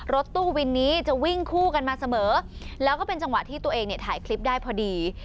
รถตู้วินนี้จะวิ่งคู่กันมาเสมอแล้วก็เป็นจังหวะที่ตัวเองเนี่ยถ่ายคลิปได้พอดี